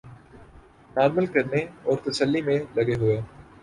normal کرنے اور تسلی میں لگے ہوئے